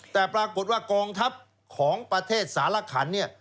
แต่ปรากฏว่ากองทัพของประเทศสารขันเนี่ย